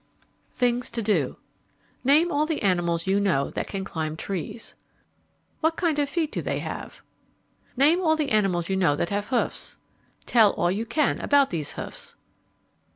THINGS TO DO Name all the animals you know that can climb trees. What kind of feet do they have? _Name all the animals you know that have hoofs. Tell all you can about these hoofs.